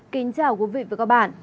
kính chào quý vị và các bạn